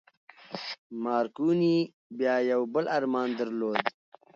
مارکوني بيا يو بل ارمان درلود.